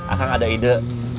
akang ada ide